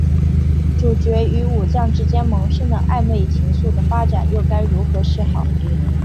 主角与武将之间萌生的暧昧情愫的发展又该如何是好？